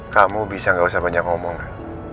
kamu bisa gak usah banyak ngomong kan